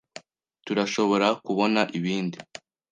Turashobora kubona ibindi?